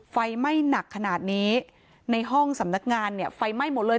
ไฟไหม้หนักขนาดนี้ในห้องสำนักงานเนี่ยไฟไหม้หมดเลย